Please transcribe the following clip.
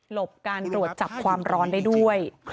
บการตรวจจับความร้อนได้ด้วย